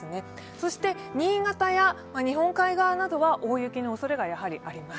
そして新潟や日本海側などは大雪のおそれがやはりあります。